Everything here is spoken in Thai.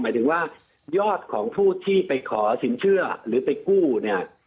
หมายถึงว่ายอดของผู้ที่ไปขอสินเชื่อหรือไปกู้เนี่ย